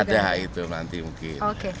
ada itu nanti mungkin